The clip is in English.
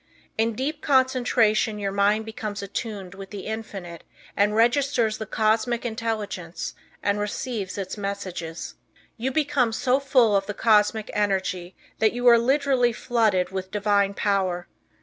In deep concentration your mind becomes attuned with the infinite and registers the cosmic intelligence and receives its messages. You become so full of the cosmic energy that you are literally flooded with divine power.